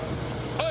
はい。